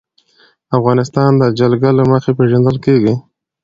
افغانستان د جلګه له مخې پېژندل کېږي.